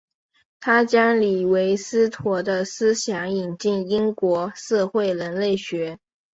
他将李维史陀的思想引进英国社会人类学。